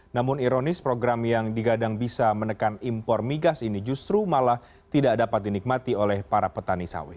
namun ironis program yang digadang bisa menekan impor migas ini justru malah tidak dapat dinikmati oleh para petani sawit